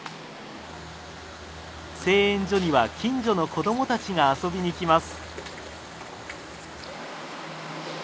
製塩所には近所の子どもたちが遊びに来ます。